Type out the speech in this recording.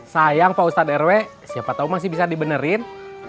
sayang pak ustadz rw siapa tau masih bisa dibenerin